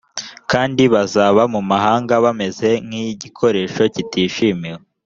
kandi bazaba mu mahanga bameze nk igikoresho kitishimiwe